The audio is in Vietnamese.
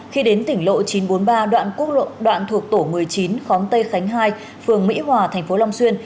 khi đến tỉnh lộ chín trăm bốn mươi ba đoạn quốc đoạn thuộc tổ một mươi chín khóm tây khánh hai phường mỹ hòa thành phố long xuyên